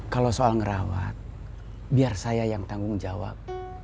kalau soal ngerawat biar saya yang tanggung jawab